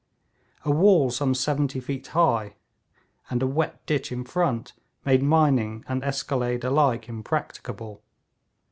A wall some 70 feet high and a wet ditch in its front made mining and escalade alike impracticable.